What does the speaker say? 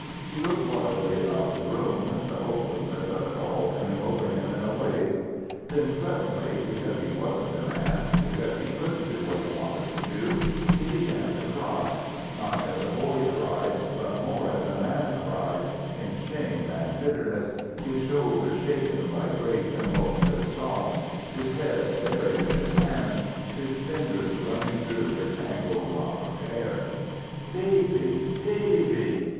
He looked wildly about the room, the hopelessness of it all coming over him in a wave. Then suddenly, because he wasn't a man, because he couldn't do what he wanted to do, he began to cry, not as a boy cries, but more as a man cries, in shame and bitterness, his shoulders shaken by great convulsive sobs, his head buried in his hands, his fingers running through his tangled mop of hair. "Davy, Davy!"